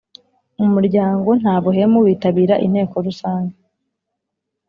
umuryango nta buhemu Bitabira Inteko Rusange